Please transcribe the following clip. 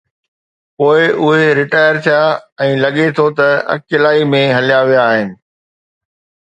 پوءِ اهي ريٽائر ٿيا ۽ لڳي ٿو ته اڪيلائي ۾ هليا ويا آهن.